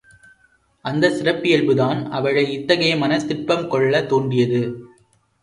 அந்தச் சிறப்பியல்புதான் அவளை இத்தகைய மனத்திட்பம் கொள்ளத் தூண்டியது.